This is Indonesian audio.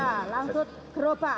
ya langsung gerobak